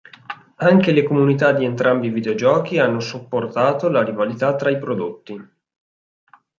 Anche le comunità di entrambi i videogiochi hanno supportato la rivalità tra i prodotti.